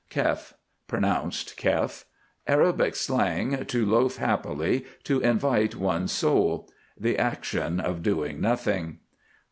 KHEF. (Pronounced keff.) Arabic slang, to loaf happily, to invite one's soul. The action of doing nothing.